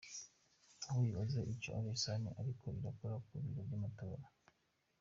Ntiwibaze ico ibesani iriko irakora ku biro vy’amatora.